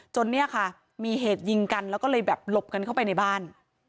เนี่ยค่ะมีเหตุยิงกันแล้วก็เลยแบบหลบกันเข้าไปในบ้าน